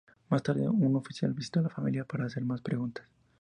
Más tarde un oficial visitó a la familia para hacer más preguntas.